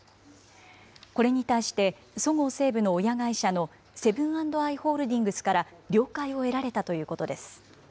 これに対して、そごう・西武の親会社のセブン＆アイ・ホールディングスから了解を得られたということです。